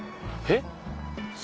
えっ？